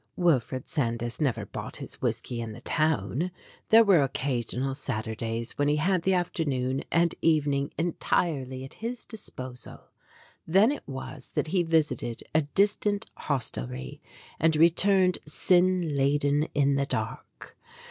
Wilfred Sandys never bought his whisky in the town. There were occasional Saturdays when he had the afternoon and evening entirely at his disposal; then it was that he visited a distant hostelry and returned sin laden in the dark.